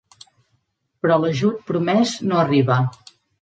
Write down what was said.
Però l'ajut promès no arriba.